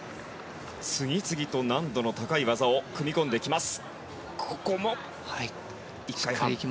次々と難度の高い技を組み込んでいきます。